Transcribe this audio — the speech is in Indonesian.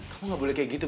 kamu gak boleh kayak gitu